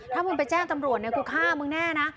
ถ้ามึงไปจ้างตำรวจก็ฆ่ามึงแน่นะ